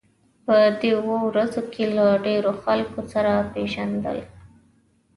په دې اوو ورځو کې له ډېرو خلکو سره پېژندل.